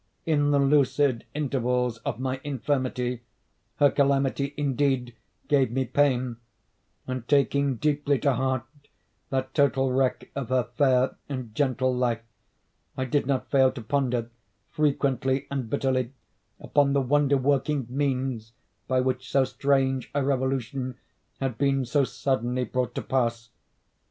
In the lucid intervals of my infirmity, her calamity, indeed, gave me pain, and, taking deeply to heart that total wreck of her fair and gentle life, I did not fail to ponder, frequently and bitterly, upon the wonder working means by which so strange a revolution had been so suddenly brought to pass.